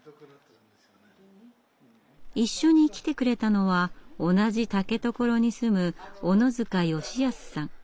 一緒に来てくれたのは同じ竹所に住む小野塚良康さん。